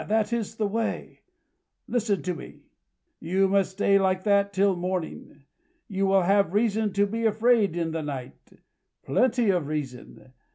That is the way!... Listen to me! You must stay like that till morning. You will have reason to be afraid in the night plenty of reason.